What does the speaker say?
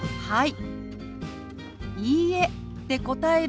はい。